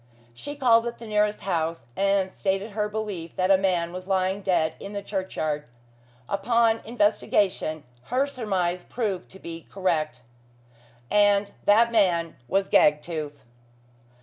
She called at the nearest house, and stated her belief that a man was lying dead in the churchyard. Upon investigation, her surmise proved to be correct. And that man was Gagtooth.